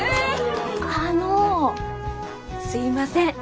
あのすいません